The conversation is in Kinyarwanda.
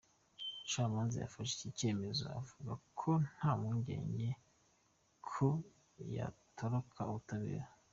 Umucamanza yafashe iki cyemezo avuga ko nta mpungenge ko yatoroka ubutabera.